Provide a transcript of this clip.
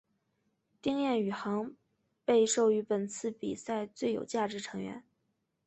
丁彦雨航被授予本次比赛最有价值球员。